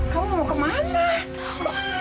kamu mau kemana